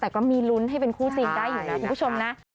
เถิกที่มันไม่ได้ต้องศึกษาดูใจ